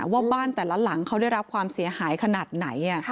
ว่าบ้านแต่ละหลังเขาได้รับความเสียหายขนาดไหน